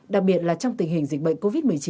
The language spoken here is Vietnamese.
đặc biệt là trong tình hình dịch bệnh covid một mươi chín